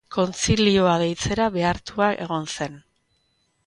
Kontzilioa deitzera behartua egon zen.